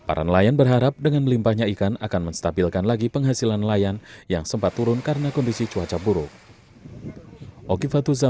para nelayan berharap dengan melimpahnya ikan akan menstabilkan lagi penghasilan nelayan yang sempat turun karena kondisi cuaca buruk